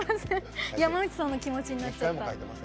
山内さんの気持ちになっちゃった。